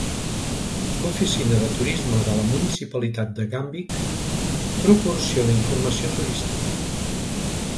L'oficina de turisme de la municipalitat de Gamvik proporciona informació turística.